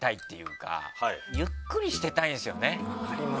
分かります。